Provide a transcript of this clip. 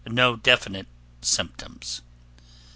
3. NO DEFINITE SYMPTOMS 4.